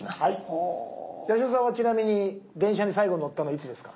八代さんはちなみに電車に最後に乗ったのはいつですか？